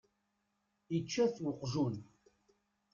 Ičča-t uqjun.